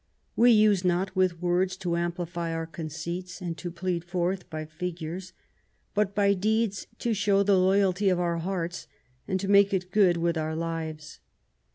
We use not with words to amplify our conceits, and to plead forth by figures, but by deeds to show the loyalty of our hearts, and to make it good with our lives.